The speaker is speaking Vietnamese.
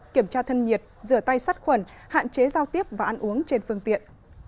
kiểm tra thân nhiệt rửa tay sát khuẩn hạn chế giao tiếp và ăn uống trên phương tiện